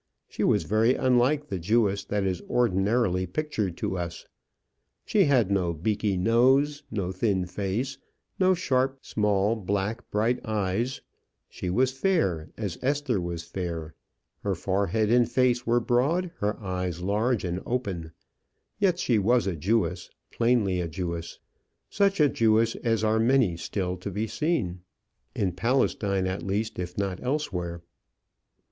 She was very unlike the Jewess that is ordinarily pictured to us. She had no beaky nose, no thin face, no sharp, small, black, bright eyes; she was fair, as Esther was fair; her forehead and face were broad, her eyes large and open; yet she was a Jewess, plainly a Jewess; such a Jewess as are many still to be seen in Palestine, at least, if not elsewhere.